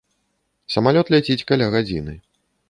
Самалёт ляціць каля гадзіны.